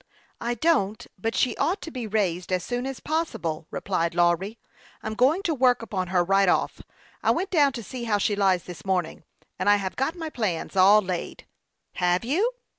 " I don't ; but she ought to be raised as soon as possible," replied Lawry. " I am going to work upon her right off. I went down to see how she lies this morning, and I have got my plans all laid." " Have you